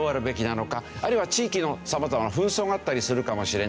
あるいは地域の様々な紛争があったりするかもしれない。